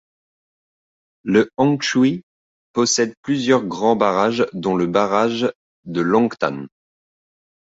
Le Hongshui possède plusieurs grands barrages dont le barrage de Longtan.